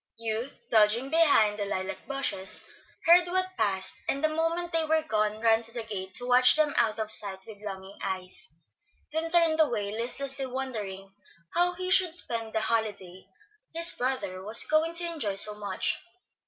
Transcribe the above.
Hugh, dodging behind the lilac bushes, heard what passed, and the moment they were gone ran to the gate to watch them out of sight with longing eyes, then turned away, listlessly wondering how he should spend the holiday his brother was going to enjoy so much.